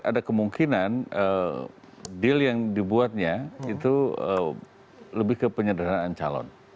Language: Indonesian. ada kemungkinan deal yang dibuatnya itu lebih ke penyederhanaan calon